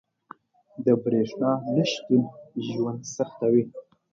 • د برېښنا نه شتون ژوند سختوي.